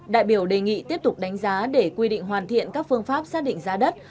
đại biểu đề nghị tiếp tục đánh giá để quy định hoàn thiện các phương pháp xác định giá đất